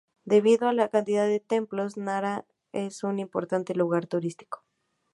Debido a la cantidad de templos, Nara es un importante lugar turístico.